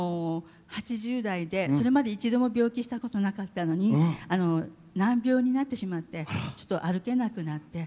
８０代でそれまで一度も病気したことなかったのに難病になってしまってちょっと歩けなくなって。